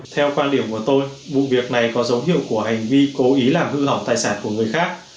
theo quan điểm của tôi vụ việc này có dấu hiệu của hành vi cố ý làm hư hỏng tài sản của người khác